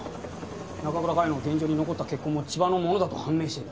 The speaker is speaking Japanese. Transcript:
中倉佳世の現場に残った血痕も千葉のものだと判明している。